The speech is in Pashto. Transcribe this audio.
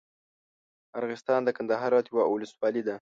ارغسان د کندهار ولايت یوه اولسوالي ده.